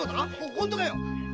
本当かよ？